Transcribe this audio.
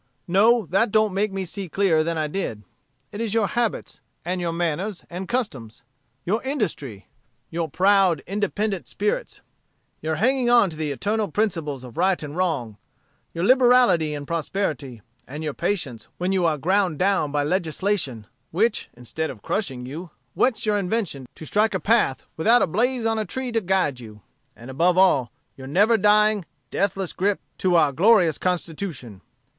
No; that don't make me see clearer than I did. It is your habits, and manners, and customs; your industry; your proud, independent spirits; your hanging on to the eternal principles of right and wrong; your liberality in prosperity, and your patience when you are ground down by legislation, which, instead of crushing you, whets your invention to strike a path without a blaze on a tree to guide you; and above all, your never dying, deathless grip to our glorious Constitution.